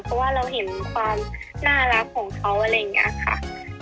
เพราะว่าเราเห็นความน่ารักของเขาอะไรอย่างนี้ค่ะ